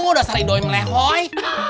udah cari doy melehoy